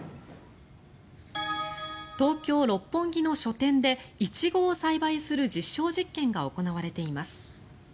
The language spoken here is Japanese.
東京・六本木の書店でイチゴを栽培する実証実験が行われています。